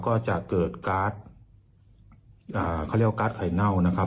ก็จะเกิดการ์ดเขาเรียกว่าการ์ดไข่เน่านะครับ